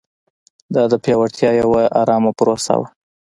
دا د پیاوړتیا یوه ارامه پروسه وه.